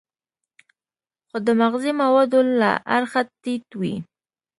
خو د مغذي موادو له اړخه ټیټ وي.